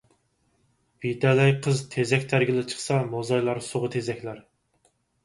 بىتەلەي قىز تېزەك تەرگىلى چىقسا، موزايلار سۇغا تېزەكلەر.